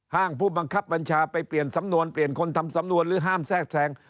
ผู้บังคับบัญชาไปเปลี่ยนสำนวนเปลี่ยนคนทำสำนวนหรือห้ามแทรกแทรง